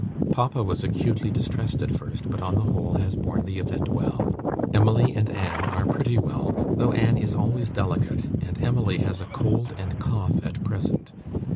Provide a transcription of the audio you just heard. Papa was acutely distressed at first, but, on the whole, has borne the event well. Emily and Anne are pretty well, though Anne is always delicate, and Emily has a cold and cough at present.